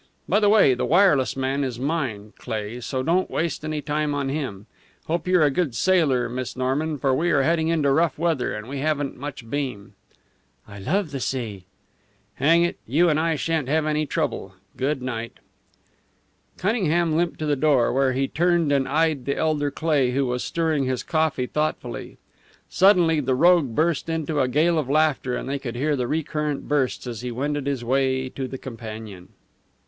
By the way, the wireless man is mine, Cleigh, so don't waste any time on him. Hope you're a good sailor, Miss Norman, for we are heading into rough weather, and we haven't much beam." "I love the sea!" "Hang it, you and I shan't have any trouble! Good night." Cunningham limped to the door, where he turned and eyed the elder Cleigh, who was stirring his coffee thoughtfully. Suddenly the rogue burst into a gale of laughter, and they could hear recurrent bursts as he wended his way to the companion.